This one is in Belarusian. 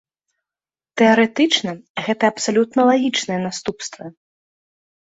Тэарэтычна, гэта абсалютна лагічныя наступствы.